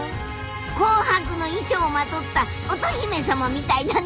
紅白の衣装をまとった乙姫さまみたいだね。